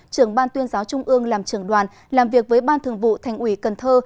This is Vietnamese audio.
trưởng ban tuyên giáo trung ương làm trưởng đoàn làm việc với ban thường vụ thành ủy cần thơ